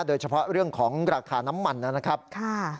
โดยเฉพาะเรื่องของราคาน้ำมันนะครับ